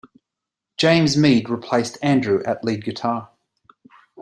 James Mead replaced Andrew at lead guitar.